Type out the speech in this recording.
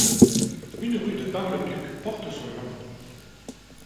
Une rue de Bar-le-Duc porte son nom.